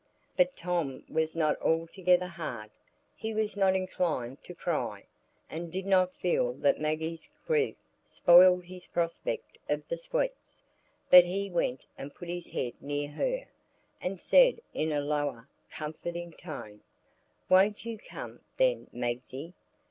But Tom was not altogether hard. He was not inclined to cry, and did not feel that Maggie's grief spoiled his prospect of the sweets; but he went and put his head near her, and said in a lower, comforting tone,— "Won't you come, then, Magsie?